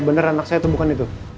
bener anak saya atau bukan itu